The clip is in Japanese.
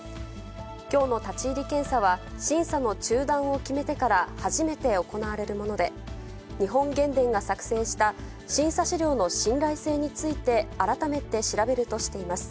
きょうの立ち入り検査は、審査の中断を決めてから初めて行われるもので、日本原電が作成した審査資料の信頼性について、改めて調べるとしています。